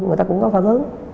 người ta cũng có phản ứng